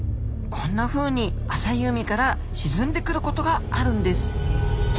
こんなふうに浅い海から沈んでくることがあるんです。